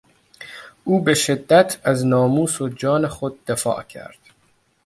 او بشدت از ناموس و جان خود دفاع کرد.